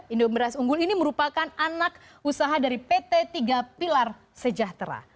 indom beras unggul ini merupakan anak usaha dari pt tiga pilar sejahtera